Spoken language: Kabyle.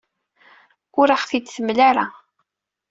Ur aɣ-t-id-temla ara.